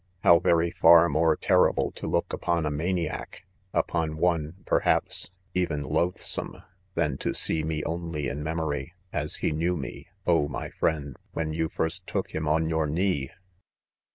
How very far more terrible to look upon a maniac ;— up on one, perhaps, even loathsome, than to see me only in memory j: — (as he knew me, oh, my friend^ when you first took 'him on your knee